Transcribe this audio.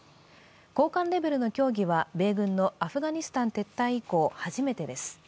高官レベルの協議は米軍のアフガニスタン撤退以降、初めてです。